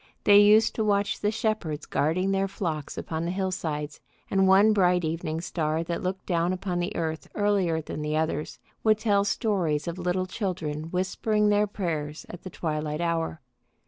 They used to watch the shepherds guarding their flocks upon the hillsides, and one bright evening star that looked down upon the earth earlier than the others, would tell stories of little children whispering their prayers at the twilight hour.